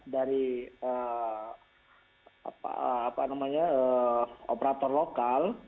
dari operator lokal